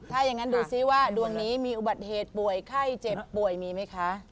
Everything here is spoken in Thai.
ถ้าอย่างนั้นดูซิว่าดวงนี้มีอุบัติเหตุป่วยไข้เจ็บป่วยมีไหมคะ